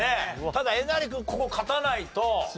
ただえなり君ここ勝たないと。